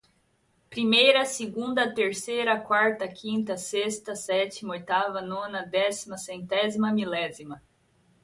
primeira, segunda, terceira, quarta, quinta, sexta, sétima, oitava, nona, décima, centésima, milésima.